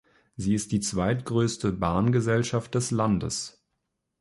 Sie ist die zweitgrößte Bahngesellschaft des Landes.